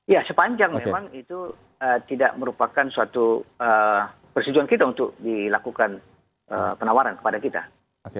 ya sepanjang memang itu tidak merupakan suatu persetujuan kita untuk dilakukan penawaran kepada kita